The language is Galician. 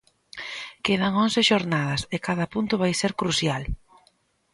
Quedan once xornadas, e cada punto vai ser crucial.